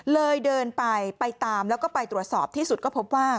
เลยเดินไปไปตามแล้วก็ไปตรวจสอบที่สุดก็พบว่า